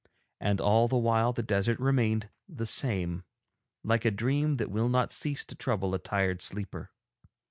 And all the while the desert remained the same, like a dream that will not cease to trouble a tired sleeper.